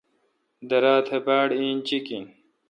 درا تہ باڑ اینچیک این۔